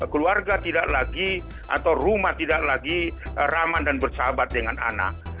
keluarga tidak lagi atau rumah tidak lagi ramah dan bersahabat dengan anak